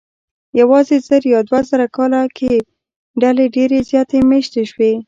یواځې زر یا دوه زره کاله کې ډلې ډېرې زیاتې مېشتې شوې.